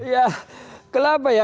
ya kenapa ya